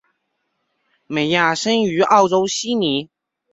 美亚生于澳洲悉尼。